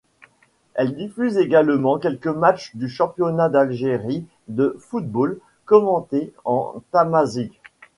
Elle diffuse également quelques matchs du Championnat d'Algérie de football commentés en tamazight.